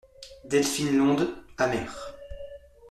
Delphine L'onde amère !